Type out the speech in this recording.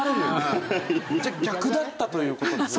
じゃあ逆だったという事ですね。